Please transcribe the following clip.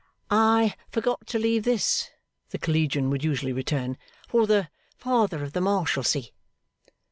'I forgot to leave this,' the collegian would usually return, 'for the Father of the Marshalsea.